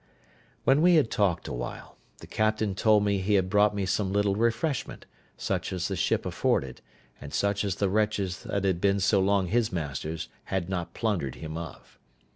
When we had talked a while, the captain told me he had brought me some little refreshment, such as the ship afforded, and such as the wretches that had been so long his masters had not plundered him of.